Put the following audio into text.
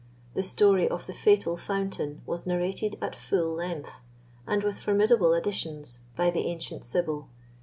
The story of the fatal fountain was narrated at full length, and with formidable additions, by the ancient sibyl.